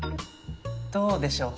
どうでしょう？